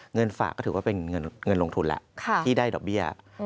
เงินฝากก็ถือว่าเป็นเงินลงทุนแล้วที่ได้ดอกเบี้ย